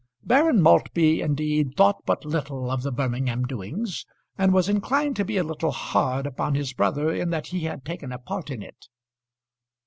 Baron Maltby, indeed, thought but little of the Birmingham doings, and was inclined to be a little hard upon his brother in that he had taken a part in it.